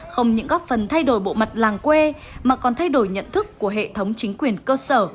không những góp phần thay đổi bộ mặt làng quê mà còn thay đổi nhận thức của hệ thống chính quyền cơ sở